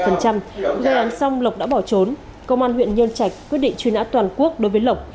gây án xong lộc đã bỏ trốn công an huyện nhân trạch quyết định truy nã toàn quốc đối với lộc